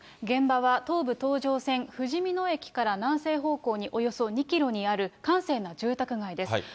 現場は東武東上線ふじみ野駅から南西方向におよそ２キロにある閑静な住宅街です。